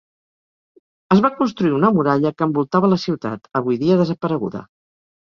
Es va construir una muralla que envoltava la ciutat, avui dia desapareguda.